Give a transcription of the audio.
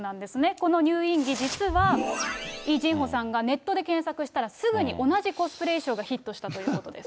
この入院着、実はイ・ジンホさんがネットで検索したら、すぐに同じコスプレ衣装がヒットしたということです。